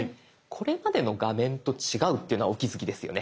これまでの画面と違うっていうのはお気付きですよね？